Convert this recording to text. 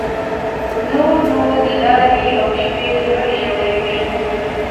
نور نو د لارې او شپې لوړې ژورې وې.